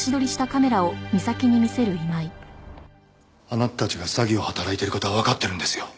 あなたたちが詐欺を働いている事はわかってるんですよ。